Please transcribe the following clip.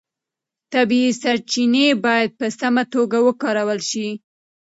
طبیعي سرچینې باید په سمه توګه وکارول شي.